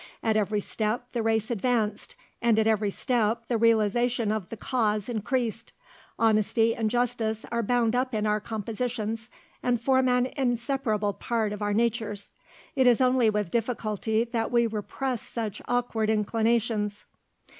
At every step the race advanced, and at every step the realisation of the cause increased. Honesty and justice are bound up in our compositions and form an inseparable part of our natures. It is only with difficulty that we repress such awkward inclinations."